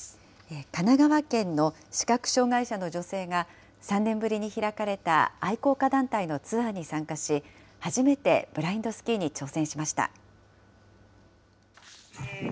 神奈川県の視覚障害者の女性が、３年ぶりに開かれた愛好家団体のツアーに参加し、初めてブラインドスキーに挑戦しました。